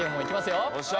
よっしゃ